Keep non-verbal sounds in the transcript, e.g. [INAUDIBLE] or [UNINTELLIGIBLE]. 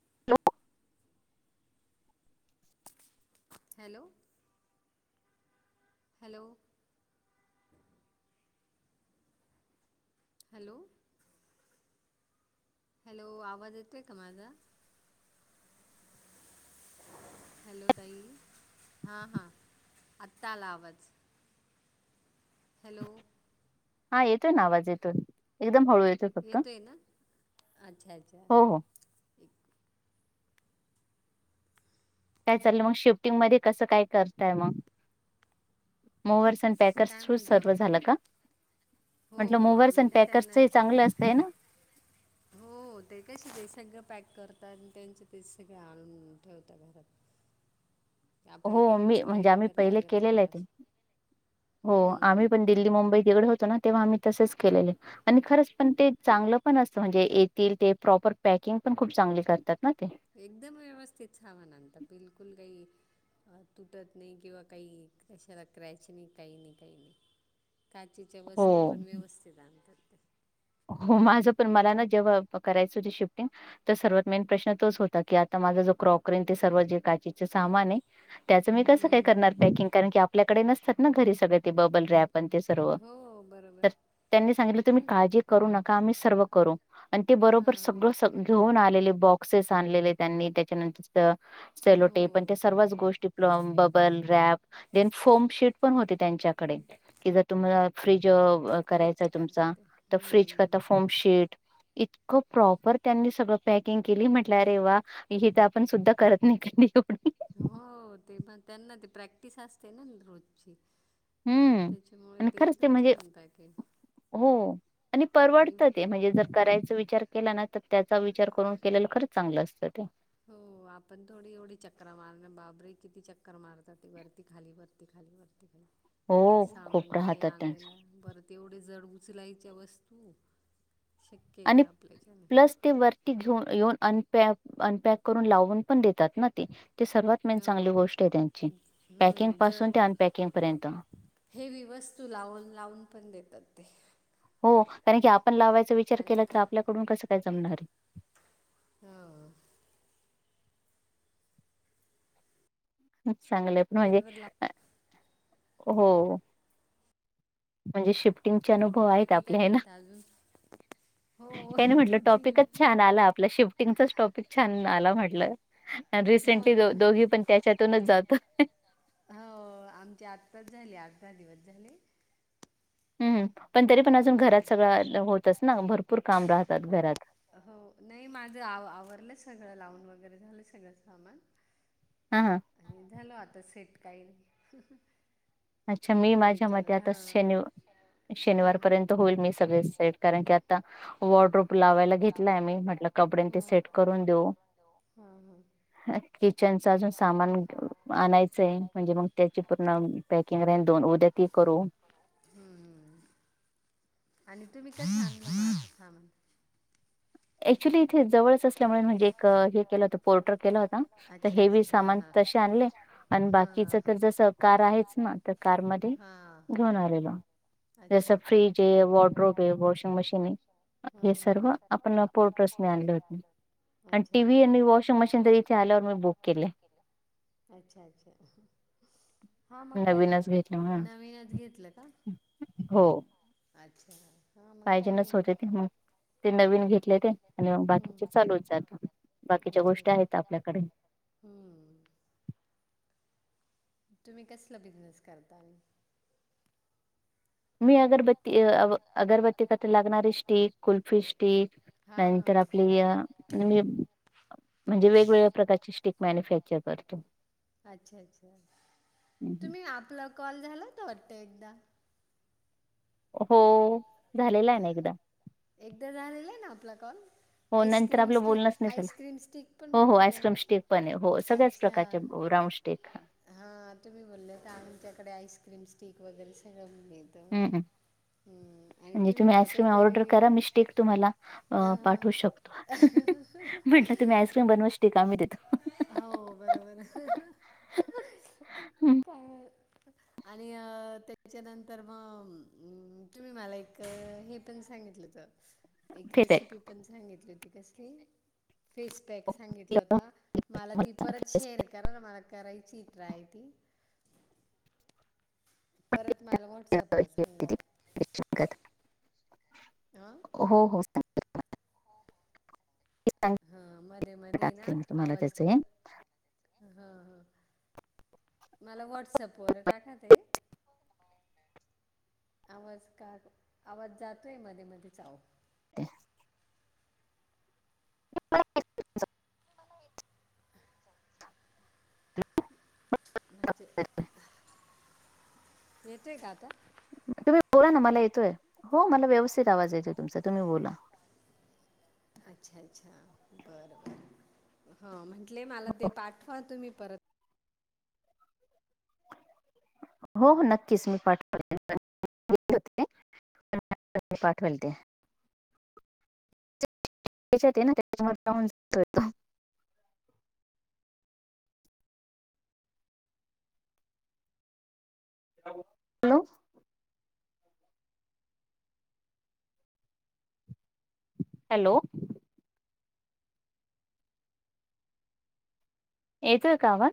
[UNINTELLIGIBLE] Hello? Hello. Hello hello, आवाज येतोय का माझा? हॅलो ताई. हा, हा आता आला आवाज. हॅलो. हा येतोय ना आवाज येतोय, एकदम हळू येतो. येतोय ना? अच्छा- अच्छा. हो हो काय चाललंय मग? शिफ्टिंगमध्ये कसं काय करतंय मग? मुव्हरसन पॅकर्स काय थ्रू म्हणता सर्व मग झालं का? हो म्हटलं हो ‌मूव्हर्स आम्ही ना त्यांना पॅकर्सचंहि चांगलं असतय है ना? हो ते कशे ते सगळं पॅक करतात, आणि त्यांचे ते सगळ आणून ठेवतात घरात. [INAUDIBLE] हो आपल्याला काही मी म्हणजे उचलायला आम्ही वगैरे पहिले लागत नाही केलेलेये ते. मासे हो आम्ही हम्म पण दिल्ली, मुंबई तिकडे होतो ना, तेव्हा आम्ही तसच केलेलेयं. आणि खरंच पण ते चांगलं पण असतं, म्हणजे येतील ते प्रॉपर पॅकिंग पण खूप चांगले करतात ना ते. एकदम व्यवस्थित सामान आणता बिलकुल काही अं तुटत नाही किंवा काही कशाला क्रॅच नाही काही नाही काही नाही. काचेच्या वस्तू पण हो व्यवस्थित आणतात. हो माझं पण मला ना जेव्हा करायचं होत शिफ्टिंग तर सर्वात मेन प्रश्न तोच होता की आता माझा जो क्रॉकरी सर्व जे काचेच सामान आहे त्याचं मी कसं काय हम्म, हम्म. करणार पॅकिंग कारण की आपल्याकडे नसतात ना घरी सगळ ते बबल रॅपर ते सर्व. हो बरोबर तर त्यांनी सांगितलं तुम्ही का करू नका आम्ही सर्व करू आणि ते बरोबर हां सगळं घेऊन आलेले बॉक्सेस आणलेले त्यांनी त्याच्यानंतर तिथं हो सेलोटे पण ते सर्वच गोष्टी ्लम bubble wrap then form sheet पण होते त्यांच्याकडे. कि जर तुम्हाला फ्रीज होते करायचाय कात तुमचा ते. तर फ्रीज हम्म. करता फॉर्म शेट. इतकं प्रॉपर त्यांनी सगळं पॅकिंग केली. म्हटलं रे वा हे तर आपण सुद्धा करत नाही कध हो ते त त्यांना ते प्राक्टस असतते न रोजची. हम्म त्याच्यामुळे आणि ते खरंच एकदम म्हणजे छान पॅकेट‌. हो. आणि परवडत ते म्हणजे जर करायच विचार केला ना तर त्याचा विचार करून केलेलं खरंच चांगलं असतं ते. हो आपण थोडी एवढी चक्कर मारणार बाबरे किती चक्कर मारतात ती वरती खाली वरती खाली वरती हो खूप सामान्य राहतात त्यांच. ने-आनला. बरत तेवढे जड उचलायच्या वस्तू शक्य आहे आणि का आपल्याच्याने. प्लस ते वरती घेऊन येऊन अप अनपॅक करून लावून पण देतात ना ते. ते सर्वात मेन हो चांगली गोष्ट आहे त्यांची पॅकिंग हम्म, ज पासून ते अनपॅकिंग पर्यंत. हेवी वस्तू लावून लावून पण देतात ते. हो. कारण की आपण लावायचा विचार आणि केला तर आपल्याकडून कसं काय जमणार. हा. चांगला पण म्हणजे बरोबर लाव हो. म्हणजे शिफ्टिंग चे अनुभव आहेत बाकी काय आपले हे ना. म्हणता अजून हो का नाही म्हंटलं दोघींना टॉपिकच छान आला आपल्याशी. टॉपिक छान आला म्हटलं हो रिसेंटली ना दोघी पण त्याच्यातूनच जातो. हो आमचे आत्ताच झाली आठ-दहा दिवस झाले. हम्. पण तरी पण घरात सगळं होतच ना भरपूर काम राहतात घरात. हो नाही माझं आव आवरलं सगळं लावून वगैरे झालं सगळं सामान. हा हा. आणि झाल आता सेट काही नाही. अच्छा मी माझ्या फर्नीचर मते आता हहा. शनि शनिवारपर्यंत शनिवार होईल मी सगळे पर्यंत सेट होईल कारण की मी आता सगळ कारण की आता वॉर्डरोब लावायला वॉटरफूल घेतलाय लावायला मी घेतला म्हटलं कपडे ते सेट सेट करून देऊ. हा. हा. किचन अजून मा आणायचंय म्हणजे मग त्याची पूर्ण पॅकिंग दोन उद्या ती करू. हम्म हम्म. आणि तुम्ही कस सांग हा म्हण. ऍक्च्युली इथे जवळच असल्यामुळे अच्छा! म्हणजे एक अ, हे केलं होतं पोर्टर केला अच्छा! होता. तर हेवी सामान हा. तसे आणले. आणि बाकीच तर हा. जसं कार आहेच ना तर हा. कारमध्ये घेऊन आलेलो. हा. अच्छा अच्छा, फ्रीज आहे वॉटर वॉशिंग मशीन सर्व ी हो आणि टी वी आणि वॉशिंग मशीन तरी इथे आल्यावर मी बुक केले. अच्छा अच्छा अच्छा! हा मग काय नवीनच येतं, घेतले म्हणून नवीनच घेतलं का? अच्छा! हा मग पाहिजे काही नच नाही होते, ते मग ते हम्म नवीन घेतलेत आणिग हम्म. बाकीचे चालून जातं, बाकीच्या अच्छा गोष्टी अच्छा. आहेत आपल्याकडे हम्म. तुम्ही कसलं बिझनेस करताल.? मी अगरबत्ती, अ अगरबत्ती क लागणारी स्टीक कुल्फी स्टिक हा त्या हा. नंतर आपली हे [UNINTELLIGIBLE] म्हणजे वेगवेगळ्या प्रकारची स्टिक मॅन्युफॅक्चर करतो. अच्छा हम्म. तुम्ही आपला कॉल झाला होता वाटतो एकदा. हो,, झालेला आहे ना एकदा. एकदा झालेला आहे ना आपला कॉल.? हो नंतर आईस्क्रीम आपलं स्टिक बोलणच नाही झालं,, आईस्क्रीम स्टिक पण हो हो आस्क्रीम बनवतात स्टेक पण आहे, सगळ्याच प्रकारचे राऊंड ते काय हा, तुम्ही बोल्या होत्या आमच्याकडे आईस्क्रीम स्टेक वगैरे सगळं मिळतं. म्हणे हम्म. हम्म आणि म्हणजे तुम्ही मला आईस्क्रीम काहीतरी ऑर्डर करा, मी स्टीक तुम्हाला अ पाठवू शकता- अ [UNINTELLIGIBLE] तुम्ही आईस्क्रीम बनवा स्टीक आम्ही देतो. हो बरोबर आहे,, काय आणि अ त्याच्यानंतर मग तुम्ही मला एक हे पण सांगितलं होतं [INAUDIBLE] एक फेसपॅक रेसिपी पण सांगितली होती कसली, फेस पॅक सांगितला होता मला ती परत शेअर करा ना मला करायची ट्राय ती. परत मला व्हॉट्सअपला सांगा. [UNINTELLIGIBLE] आह हो हो. हा मध्ये मध्ये ना, टाकेल मी तुम्हाला आवाज त्याचं क हे हा हा, मला व्हॉटसअप वर टाका ते आवाज का, आवाज जातोय आहे मध्ये मध्ये ह ते [UNINTELLIGIBLE] [UNINTELLIGIBLE] मला एक ईच्छा म्हणजे, येतोय का आता? तुम्ही बोला ना मला येतोय, हो मला व्यवस्थित आवाज येतोय तुमचा तुम्ही बोला. अच्छा अच्छा बर बर,, हं म्हंटले मला ते हो पाठवा तुम्ही परत हो हो नक्कीच, मी पाठवनार होते पाठवल ते. ना त्याच्या जान [UNINTELLIGIBLE] हॅलो! हॅलो येेतो का आवाज?